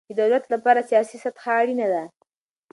د دولت له پاره سیاسي سطحه اړینه ده.